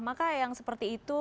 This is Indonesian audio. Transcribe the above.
maka yang seperti itu